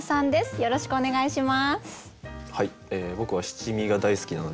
よろしくお願いします。